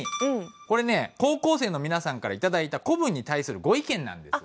これね高校生の皆さんから頂いた古文に対するご意見なんです。